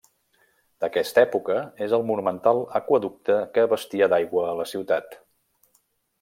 D'aquesta època és el monumental aqüeducte que abastia d'aigua a la ciutat.